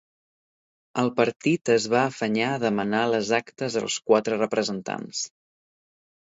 El partit es va afanyar a demanar les actes als quatre representants.